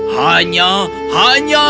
hanya hanya satu